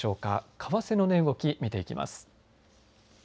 為替の値動き見ていきます。